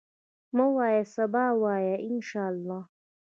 مه وایه سبا، وایه ان شاءالله.